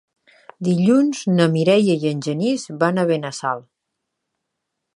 Dilluns na Mireia i en Genís van a Benassal.